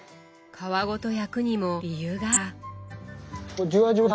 皮ごと焼くにも理由があるんだ。